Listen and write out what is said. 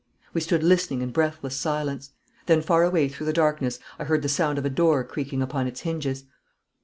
We stood listening in breathless silence. Then far away through the darkness I heard the sound of a door creaking upon its hinges.